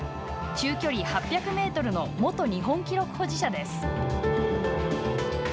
中距離８００メートルの元日本記録保持者です。